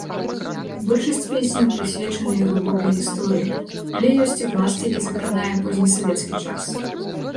Большасць песняў прысвечаныя глыбокай гісторыі, але ёсць і пласт, які закранае познесавецкі час.